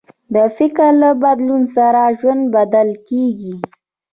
د فکر له بدلون سره ژوند بدل کېږي.